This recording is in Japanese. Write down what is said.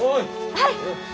はい！